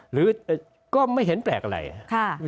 หรือไม่ก็ไม่เห็นแปลกอะไร